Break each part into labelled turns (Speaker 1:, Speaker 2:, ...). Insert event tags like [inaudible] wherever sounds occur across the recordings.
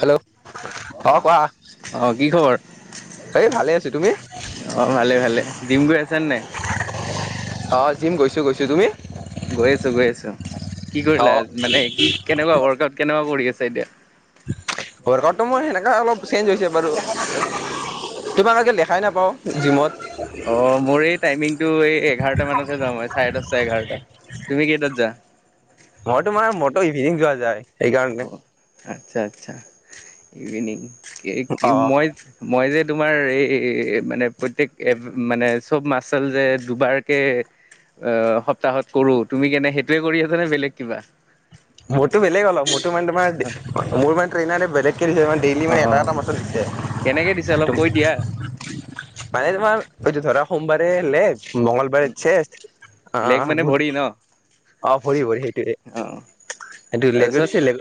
Speaker 1: Hello অঁ কোৱা
Speaker 2: অ কি খবৰ
Speaker 1: হেই ভালে আছো তুমি?
Speaker 2: অঁ ভালে ভালে জিম গৈ আছ নে নাই।
Speaker 1: অঁ জিম গৈছোঁ গৈছোঁ। তুমি?
Speaker 2: গৈ আছো গৈ আছো, কি
Speaker 1: অ
Speaker 2: কৰিলা? মানে কি কেনেকুৱা ৱৰ্কআউট কেনেকুৱা কৰি আছা এতিয়া?
Speaker 1: বৰগতটো‌ মোৰ সেনেকা অলপ চেঞ্জ হৈছে বাৰু। তোমালোকে দেখাই নাপাওঁ জিমত।
Speaker 2: অ', মোৰ এই টাইমিং টো এই এঘাৰটা মানতহে যাওঁ মই, চাৰে দচটা এঘাৰটা, তুমি কেইটাত যা?
Speaker 1: মই তোমাৰ ম'ৰটো ইভিনিং যোৱা যায়। সেইকাৰণে
Speaker 2: অ', আচ্ছা আচছা ইভিনিং এই
Speaker 1: অ
Speaker 2: মই মই যে, তোমাৰ এই মানে প্ৰত্যেক এ মানে চ'ব মাচাল যে দুবাৰকে অ', সপ্তাহত কৰোঁ, তুমি কেনে সেইটোৱে কৰি আছা নে বেলেগ কিবা?
Speaker 1: মোৰতো বেলেগ অলপ, মোৰটো মানে তোমাৰ মোৰ মানে ট্ৰেইনাৰে বেলেগ কে দিছে ত ডেইলি
Speaker 2: অ
Speaker 1: মানে
Speaker 2: অ
Speaker 1: এটা এটা মাছল দিছে
Speaker 2: কেনেকে দিছে অলপ
Speaker 1: তু
Speaker 2: কৈ দিয়া
Speaker 1: মানে তোমাৰ হয়টো ধৰা সোমবাৰে লেগ। মঙলবাৰে চেষ্ট
Speaker 2: লেগ
Speaker 1: আহ,
Speaker 2: মানে
Speaker 1: বুধ
Speaker 2: ভৰি
Speaker 1: অঁ ভৰি ভৰি সেইটোৱে।
Speaker 2: অঁ।
Speaker 1: এইটো লেগৰ দিছে লেগ,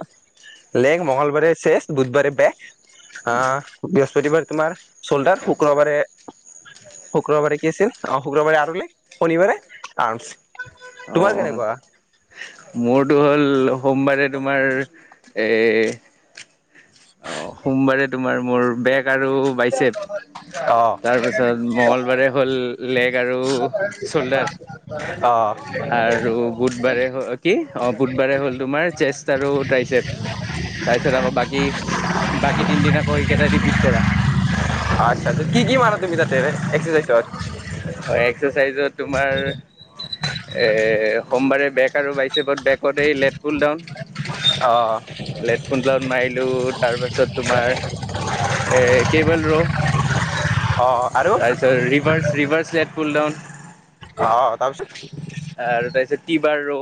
Speaker 1: লেগ মঙলবাৰে ছে, বুধবাৰে বেক। আহ, বৃহস্পতিবাৰে তোমাৰ চল্ডাৰ, শুক্ৰবাৰে শুক্ৰবাৰে কি আছিল অ শুক্ৰবাৰে আৰু লেগ। শনিবাৰে আৰমচ, তোমাৰ কেনেকুৱা
Speaker 2: মোৰতো হ'ল সোমবাৰে তোমাৰ এ অ সোমবাৰে তোমাৰ মোৰ বেক আৰু বাইচেপ।
Speaker 1: অ
Speaker 2: তাৰপিছত মঙলবাৰে হ'ল লেগ আৰু চ'ল্ডাৰ।
Speaker 1: অ
Speaker 2: আৰু বুধবাৰে হ'ল কি অ বুধবাৰে হ'ল তোমাৰ চেষ্ট আৰু টাইচেপ। তাৰপিছত আকৌ বাকী বাকী তিনদিন আকৌ এইকেইটাই ৰিপিট কৰা।
Speaker 1: আচ্ছা কি কি মাৰা তুমি তাতে এক্সাচাইজত
Speaker 2: হয়, এক্সাৰচাইজত তোমাৰ এ সোমবাৰে বেক আৰু বাইচেপত বেকত এই লেত পুল ডাউন।
Speaker 1: অ
Speaker 2: লেত পুল ডাউন মাৰিলো, তাৰ পাছত তোমাৰ এ কেবেল ৰ
Speaker 1: অ আৰু
Speaker 2: এ reverse reverse lat pull down.
Speaker 1: অ তাৰপিছত
Speaker 2: আৰু তাৰপিছত টিবাৰ ৰৌ,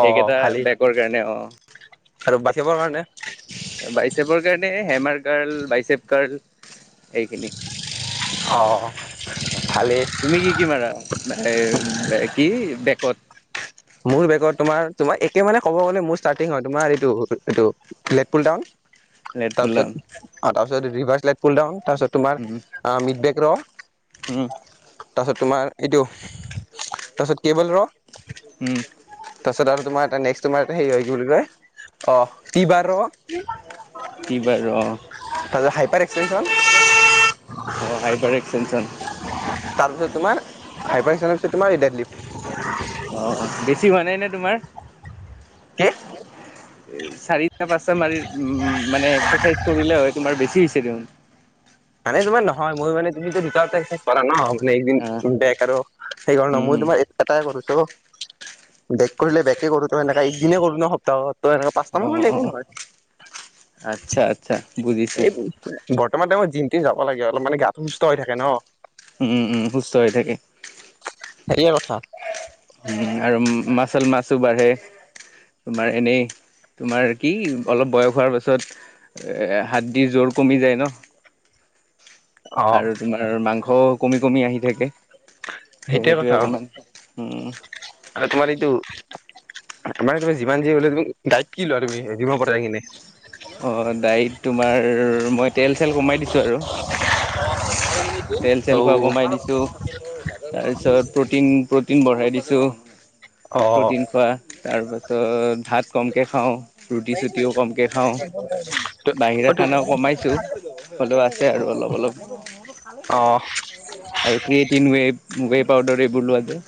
Speaker 1: অ ভালেই
Speaker 2: বেকৰ কাৰণে অ'।
Speaker 1: আৰু বাইচেপৰ কাৰণে
Speaker 2: বাইচেপৰ কাৰণে, হেমাৰ কাৰ্ল বাইচেপ কাৰ্ল। সেইখিনি,
Speaker 1: অ
Speaker 2: অ
Speaker 1: ভালেই
Speaker 2: তুমি কি কি মাৰা এই এ কি বেকত
Speaker 1: মোৰ বেকত তোমাৰ তোমাৰ একে মানে ক'ব গ'লে মোৰ ষ্টাৰ্টিং হয়, তোমাৰ এইটো এইটো। Lat pull down
Speaker 2: lat pull
Speaker 1: তাৰপিছত
Speaker 2: ডাউন
Speaker 1: তাৰপিছত ৰিভাৰ্চ লেট পুল ডাউন তাৰপিছত তোমাৰ
Speaker 2: উম
Speaker 1: অ মিত বেক ৰ'।
Speaker 2: উম।
Speaker 1: তাৰপিছত তোমাৰ এইটো তাৰপিছত কেবল ৰ'।
Speaker 2: উম
Speaker 1: তাৰপিছত আৰু তোমাৰ নেক্স তোমাৰ সেই হয়, কি বুলি কয় অ'। টি বাৰ ৰ'।
Speaker 2: কি বাৰু অ
Speaker 1: তাৰপাছত হাইপাৰ এক্সটেনচন।
Speaker 2: অ হাইবাৰ এক্সটেনচন
Speaker 1: তাৰপিছত তোমাৰ হাইপাৰ এক্সটেনচনৰ পিছত তোমাৰ দেডলিফট।
Speaker 2: অ' বেছি হোৱা নাই নে তোমাৰ
Speaker 1: কি
Speaker 2: চাৰিটা পাঁচটা মাৰি উম মানে এক্সাৰচাইজ কৰিলে হয়, তোমাৰ বেছি হৈছে দেখোন।
Speaker 1: মানে তোমাৰ নহয় মই মানে তুমিটো দুটা দুটা এক্সাৰচাইজ কৰা ন' মানে এদিন
Speaker 2: অ
Speaker 1: বেক আৰু সেইকাৰণে
Speaker 2: উম
Speaker 1: মই
Speaker 2: হম
Speaker 1: তোমাৰ এটাই কৰিছো বেক কৰিলে বেকে কৰো সেনেকে একদিনে কৰো ন সপ্তাহত তই এনেকে পাঁচটা
Speaker 2: অ
Speaker 1: মান কৰিলে
Speaker 2: অ
Speaker 1: একো নহয়
Speaker 2: আচ্ছা আচ্ছা বুজিছো
Speaker 1: বৰ্তমান সময়ত জিম টিম যাব লাগে অলপ মানে গাটো সুস্থ হৈ থাকে ন
Speaker 2: উম উম সুস্থ হৈ থাকে
Speaker 1: সেইয়ে কথা
Speaker 2: উম আৰু মাৰ্চল মাৰ্চো বাঢ়ে বা এনেই তোমাৰ কি অলপ বয়স হোৱাৰ পাছত এ হাড়দি জোৰ কমি যায় ন
Speaker 1: অ
Speaker 2: আৰু তোমাৰ মাংসও কমি কমি আহি থাকে ত
Speaker 1: সেইটোৱে
Speaker 2: সেইটোয়ে
Speaker 1: কথা অ
Speaker 2: অকমান উম
Speaker 1: আৰু তোমাৰ এইটো তোমাৰ, তুমি যিমান যি হলেও তুমি ডাইট কি লোৱা তুমি, [unintelligible] কিনে?
Speaker 2: অ', ডাইত তোমাৰ, মই তেল-চেল কমাই দিছোঁ আৰু।
Speaker 1: উ [unintelligible]
Speaker 2: তেল-চেল খোৱা কমাই দিছোঁ। ত' তাৰপিছত প্ৰটিন, প্ৰটিন বঢ়াই দিছোঁ,
Speaker 1: অ
Speaker 2: প্ৰটিন খোৱা। তাৰ পাছত ভাত কমকে খাওঁ। ৰুটি চুটিও কমকে খাওঁ, বাহিৰা
Speaker 1: অ তুম
Speaker 2: খানাও কমাইছোঁ। হ'লেও আছে আৰু অলপ-অলপ।
Speaker 1: অ'।
Speaker 2: আৰু ক্ৰিয়েটিন ৱেব, ৱে পাউদাৰ এইবোৰ লোৱা যায়।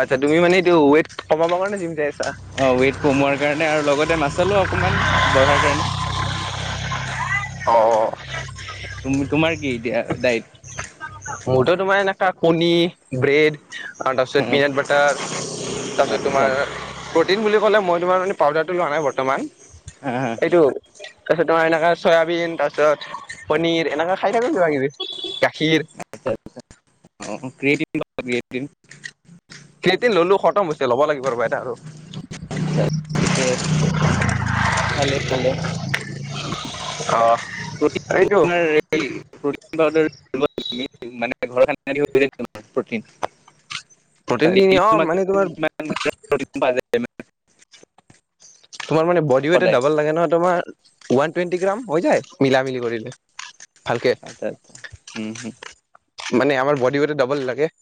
Speaker 1: আচ্ছা, তুমি মানে এইটো ৱেট কমাব কাৰণে জিম চাই আছা?
Speaker 2: অ', ৱেইট কমোৱাৰ কাৰণে, আৰু লগতে মাছলো অকণমান বঢ়াৰ কাৰণে।
Speaker 1: অ'।
Speaker 2: তুমি, তোমাৰ কি এতিয়া ডায়েট?
Speaker 1: মোৰতো তোমাৰ এনেকা কণী, ব্ৰেড। অ', তাৰপিছত পিনাট বাটাৰ, তাৰপিছত
Speaker 2: আচ্ছা
Speaker 1: তোমাৰ প্ৰটিন বুলি কলে, মই তোমাৰ মানে পাউডাৰটো লোৱা নাই বৰ্তমান।
Speaker 2: হা, হা।
Speaker 1: এইটো, তাৰপিছত তোমাৰ এনেকা চয়াবিন তাৰপিছত পনীৰ এনেকা খাই থাকোঁ, কিবা-কিবি, গাখীৰ।
Speaker 2: আচ্ছা ক্ৰিয়েটিন, [unintelligible] ক্ৰিয়েটিন।
Speaker 1: ক্ৰিয়েটিন ললোঁ, খতম হৈছে, ল'ব লাগিব ৰবা এটা আৰু।
Speaker 2: ভালে-ভালে,
Speaker 1: অ এইটো
Speaker 2: প্ৰটিন তোমাৰ [unintelligible]
Speaker 1: প্ৰটিন খিনি অ মানে তোমাৰ
Speaker 2: [unintelligible]
Speaker 1: তোমাৰ মানে বডি ৱেট
Speaker 2: সদায়
Speaker 1: ডাবল লাগে নহয় তোমাৰ, ওৱান টুৱেণ্টি গ্ৰাম হৈ যায়, মিলা-মিলি কৰিলে। ভালকে
Speaker 2: আচ্ছা, উম, হুম।
Speaker 1: মানে আমাৰ বডি ৱেটত ডাবল লাগে।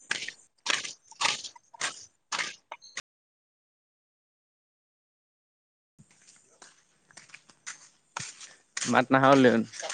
Speaker 2: মাত নাহা হ'ল দেখোন।